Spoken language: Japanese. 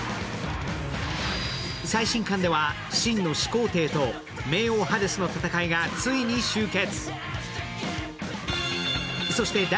最新巻では秦の始皇帝と冥王ハデスの戦いがついに終結。